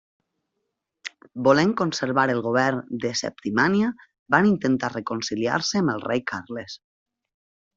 Volent conservar el govern de Septimània va intentar reconciliar-se amb el rei Carles.